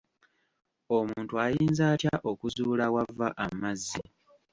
Omuntu ayinza atya okuzuula awava amazzi?